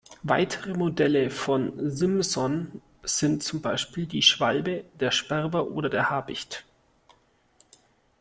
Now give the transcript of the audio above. Weitere Modelle von Simson sind zum Beispiel die Schwalbe, der Sperber oder der Habicht.